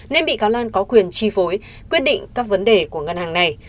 nên bị cáo lan có quyền chi phối quyết định các vấn đề của ngân hàng này